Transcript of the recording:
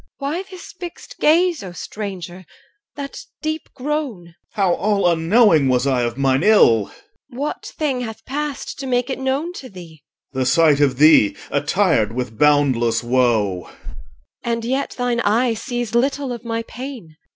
EL. Why this fixed gaze, O stranger! that deep groan? OR. How all unknowing was I of mine ill! EL. What thing hath passed to make it known to thee? OR. The sight of thee attired with boundless woe. EL. And yet thine eye sees little of my pain.